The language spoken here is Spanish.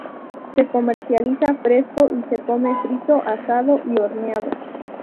Se comercializa fresco y se come frito, asado y horneado.